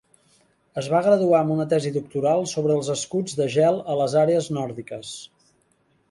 Es va graduar amb una tesi doctoral sobre els escuts de gel a les àrees nòrdiques.